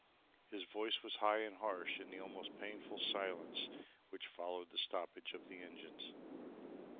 His voice was high and harsh in the almost painful silence which followed the stoppage of the engines.